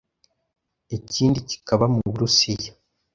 ikindi kikaba mu Burusiya